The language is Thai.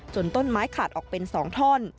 ต้นไม้ขาดออกเป็น๒ท่อน